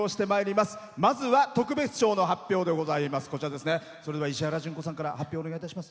まずは特別賞の発表でございます。